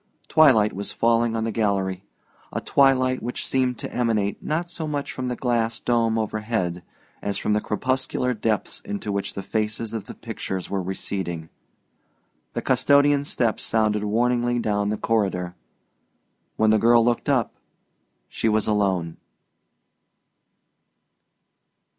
Twilight was falling on the gallery a twilight which seemed to emanate not so much from the glass dome overhead as from the crepuscular depths into which the faces of the pictures were receding. The custodian's step sounded warningly down the corridor. When the girl looked up she was alone.